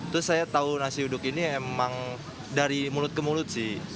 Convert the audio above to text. terus saya tahu nasi uduk ini emang dari mulut ke mulut sih